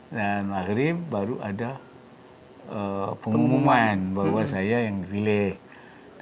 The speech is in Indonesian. dan akhirnya baru ada pengumuman bahwa saya yang dipilih